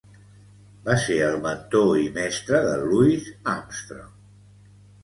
Va ser el mentor i mestre de Louis Armstrong.